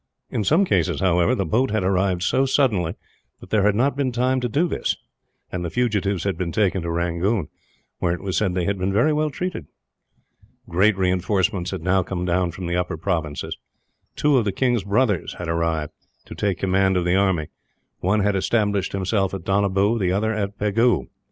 In some cases, however, the boats had arrived so suddenly that there had not been time to do this; and the fugitives had been taken to Rangoon, where it was said they had been very well treated. Great reinforcements had now come down from the upper provinces. Two of the king's brothers had arrived, to take command of the army; one had established himself at Donabew, the other at Pegu.